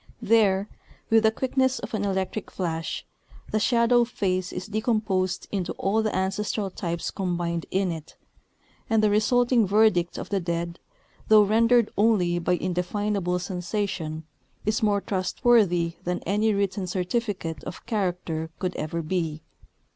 There, with the quickness of an electric flash, the shadow face is decomposed into all the ancestral types combined in it; and the resulting verdict of the dead, though rendered only by indefinable sensation, is more trustworthy than any written certificate of character could ever be.